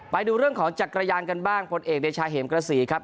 ไปดูเรื่องของจักรยานกันบ้างผลเอกเดชาเหมกระสีครับ